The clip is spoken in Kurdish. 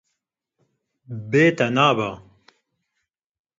Bê te ne be